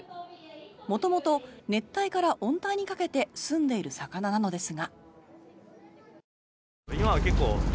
元々、熱帯から温帯にかけてすんでいる魚なのですが。